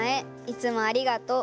いつもありがとう。